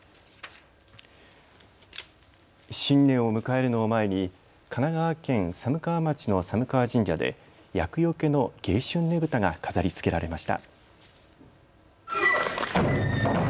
新年を迎えるのを前に神奈川県寒川町の寒川神社で厄よけの迎春ねぶたが飾りつけられました。